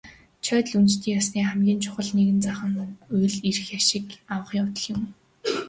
Жод лүйжин ёсны хамгийн чухал нэгэн зан үйл нь эрх авшиг авах явдал юм.